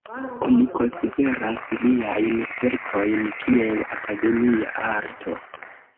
Oni konsideras liajn verkojn kiel akademia arto.